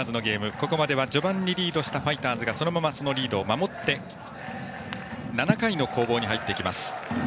ここまでは序盤にリードしたファイターズがそのままそのリードを守って７回の攻防に入ってきます。